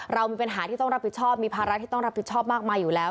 เรามีปัญหาที่ต้องรับผิดชอบมีภาระที่ต้องรับผิดชอบมากมายอยู่แล้ว